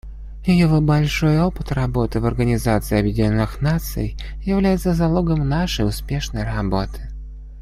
Его большой опыт работы в Организации Объединенных Наций является залогом нашей успешной работы.